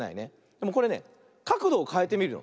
でもこれねかくどをかえてみるの。